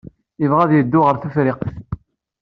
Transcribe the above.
Yebɣa ad yeddu ɣer Tefriqt.